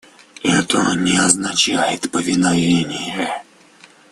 Это не означает повиновение.